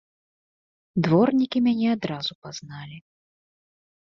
Дворнікі мяне адразу пазналі.